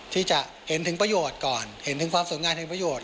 ที่จะเห็นถึงประโยชน์ก่อนเห็นถึงความสวยงามถึงประโยชน